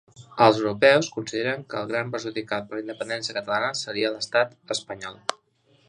Els europeus consideren que el gran perjudicat per la independència catalana seria l'estat espanyol.